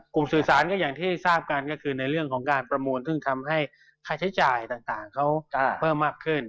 สื่อสารก็อย่างที่ทราบกันก็คือในเรื่องของการประมูลซึ่งทำให้ค่าใช้จ่ายต่างเขาเพิ่มมากขึ้น